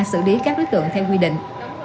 sử lý các đối tượng theo quy định